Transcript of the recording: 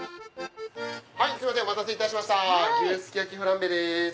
すいませんお待たせいたしました牛すき焼フランベです。